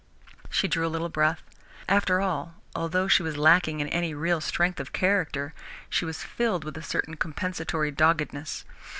She drew a little breath. After all, although she was lacking in any real strength of character, she was filled with a certain compensatory doggedness.